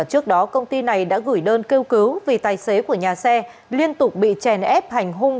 trước đó công ty này đã gửi đơn kêu cứu vì tài xế của nhà xe liên tục bị chèn ép hành hung